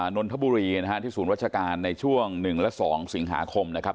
นทบุรีที่ศูนย์ราชการในช่วงหนึ่งและสองศีลหาคมนะครับ